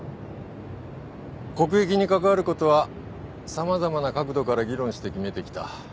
国益に関わることは様々な角度から議論して決めてきた。